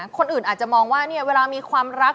คนอื่นอาจจะมองว่าเนี่ยเวลามีความรัก